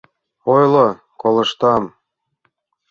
— Ойло, колыштам.